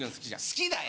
好きだよ。